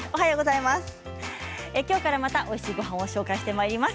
きょうからまたおいしいごはんをご紹介してまいります。